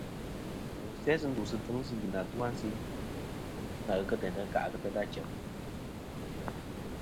Wà ti ndusɨ tfɨŋsɨ sɨ gvi nɨ atu-a a nse kɨ ghɨ kɨ teyn ta kɨ n-tena chem-a.